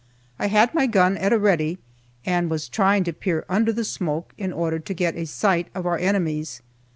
I had my gun at a ready, and was trying to peer under the smoke in order to get a sight of our enemies.